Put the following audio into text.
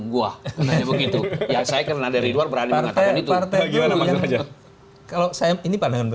gua begitu ya saya karena dari luar berani nantai itu bagaimana mengejar kalau saya ini pandangan